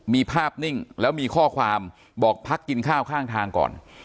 มีภาพนิ่งแล้วมีข้อความบอกพักกินข้าวข้างทางก่อน